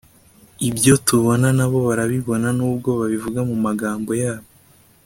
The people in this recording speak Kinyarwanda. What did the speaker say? ibyo tubona na bo barabibona nubwo babivuga mu magambo yabo